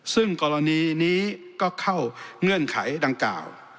ซึ่งกรณีนี้ก็เข้าเงื่อนไขดังกล่าว